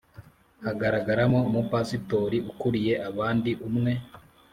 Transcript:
hagaragaramo Umupasitori ukuriye abandi umwe